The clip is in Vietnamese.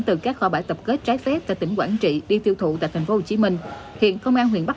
từ các kho bãi tập kết trái phép tại tỉnh quảng trị đi tiêu thụ tại tp hcm hiện công an huyện bắc